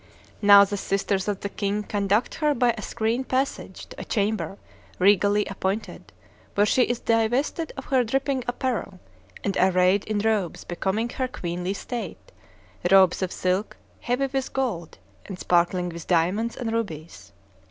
Now the sisters of the king conduct her by a screened passage to a chamber regally appointed, where she is divested of her dripping apparel, and arrayed in robes becoming her queenly state, robes of silk, heavy with gold, and sparkling with diamonds and rubies.